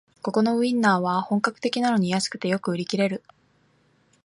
ここのウインナーは本格的なのに安くてよく売り切れる